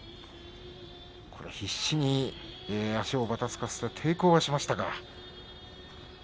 必死に足をばたつかせて抵抗しましたが。